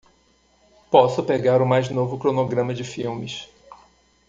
Posso pegar o mais novo cronograma de filmes